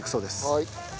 はい。